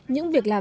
những việc làm